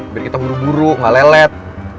biar kita buru buru gak lelet